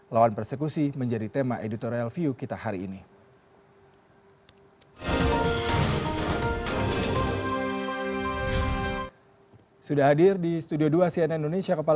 lawan persekusi menjadi tema editorial view kita hari ini